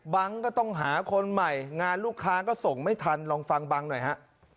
ก็ต้องหาคนใหม่งานลูกค้าก็ส่งไม่ทันลองฟังบังหน่อยฮะ